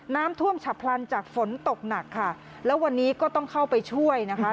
น้ำท่วมฉับพลันจากฝนตกหนักค่ะแล้ววันนี้ก็ต้องเข้าไปช่วยนะคะ